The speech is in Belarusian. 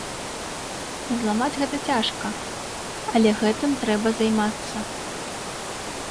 Зламаць гэта цяжка, але гэтым трэба займацца.